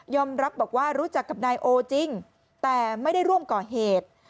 รับบอกว่ารู้จักกับนายโอจริงแต่ไม่ได้ร่วมก่อเหตุ